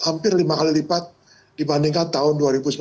hampir lima kali lipat dibandingkan tahun dua ribu sembilan belas